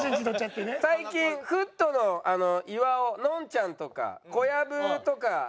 最近フットの岩尾のんちゃんとか小籔とかはですね